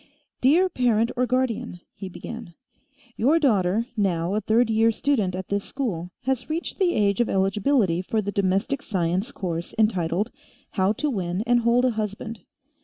"Dear Parent or Guardian," he began. "Your daughter, now a third year student at this school, has reached the age of eligibility for the Domestic Science course entitled, 'How To Win and Hold a Husband.'